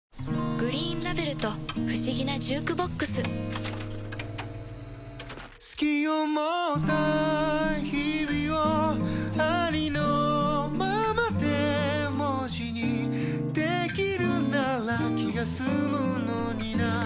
「グリーンラベル」と不思議なジュークボックス“好き”を持った日々をありのままで文字にできるなら気が済むのにな